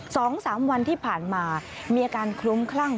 สองสามวันที่ผ่านมามีอาการคลุ้มคลั่ง